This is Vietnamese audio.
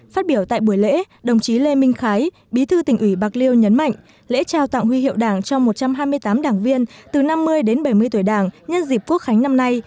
phát biểu tại buổi lễ đồng chí lê minh khái bí thư tỉnh ủy bạc liêu nhấn mạnh lễ trao tặng huy hiệu đảng cho một trăm hai mươi tám đảng viên từ năm mươi đến bảy mươi tuổi đảng nhân dịp quốc khánh năm nay